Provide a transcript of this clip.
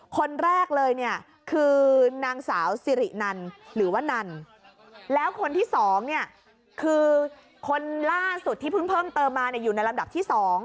คนล่าสุดที่เพิ่มเติมมาเนี่ยอยู่ในลำดับที่สอง